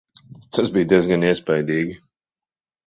Tas bija diezgan iespaidīgi.